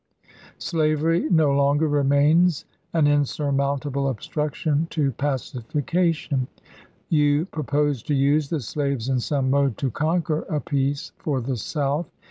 .. Slavery no longer remains an insurmountable obstruction to pacification. You propose to use the slaves in some mode to conquer a peace for the South.